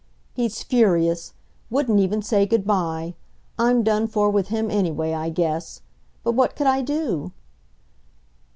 "He's furious; wouldn't even say good by. I'm done for with him, anyway, I guess. But what could I do?"